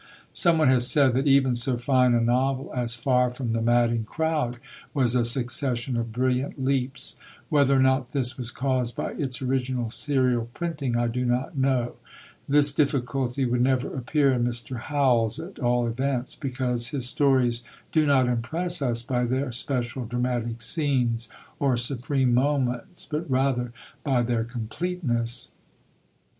Someone has said, that even so fine a novel as Far from the Madding Crowd was a succession of brilliant leaps; whether or not this was caused by its original serial printing, I do not know. This difficulty would never appear in Mr. Howells, at all events; because his stories do not impress us by their special dramatic scenes, or supreme moments, but rather by their completeness.